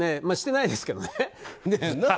まあ、してないですけどね。